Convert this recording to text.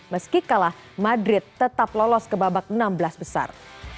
meski kalah madrid tetap lolos ke babak enam belas besar